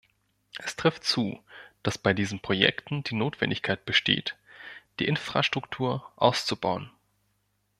Es trifft zu, dass bei diesen Projekten die Notwendigkeit besteht, die Infrastruktur auszubauen.